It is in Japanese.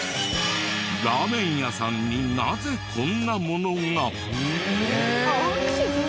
ラーメン屋さんになぜこんなものが？